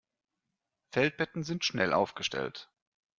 Feldbetten sind schnell aufgestellt.